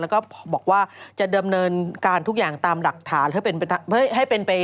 แล้วก็บอกว่าจะดำเนินการทุกอย่างตามดักฐาน